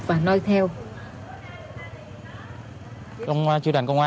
và nơi theo